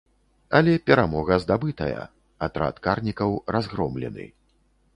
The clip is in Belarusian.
Але перамога здабытая, атрад карнікаў разгромлены.